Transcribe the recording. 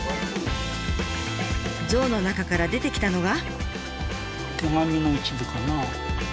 像の中から出てきたのが。